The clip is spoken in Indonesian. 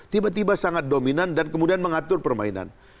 tiba tiba sangat dominan dan kemudian mengatur permainan